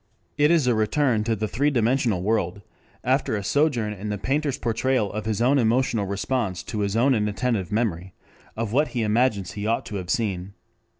It is a return to the three dimensional world, after a sojourn in the painter's portrayal of his own emotional response to his own inattentive memory of what he imagines he ought to have seen.